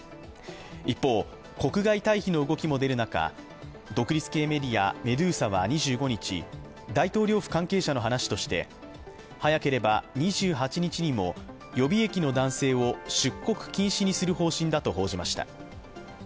一方、国外退避の動きも出る中、独立系メディア、メドゥーザは２５日大統領府関係者の話として早ければ２８日にも予備役の男性を出国禁止にする方針だと報じました。